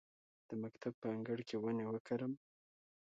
د مکتب په انګړ کې ونې وکرم؟